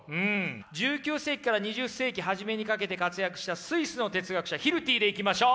１９世紀から２０世紀初めにかけて活躍したスイスの哲学者ヒルティでいきましょう。